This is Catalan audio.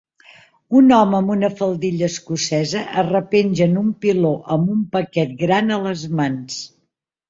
Un home amb una faldilla escocesa es repenja en un piló amb un paquet gran a les mans.